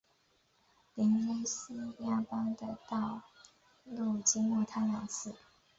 连接伊斯兰马巴德与自由克什米尔的道路经过它两次。